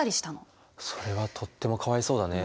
それはとってもかわいそうだね。